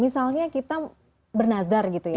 misalnya kita bernazar gitu ya